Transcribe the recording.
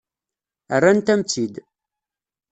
Rrant-am-tt-id.